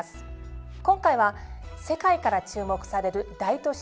今回は世界から注目される大都市